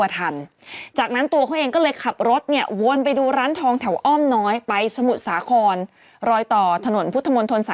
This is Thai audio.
แต่อันนั้นไปปุ๊บลงมือไม่สำเร็จ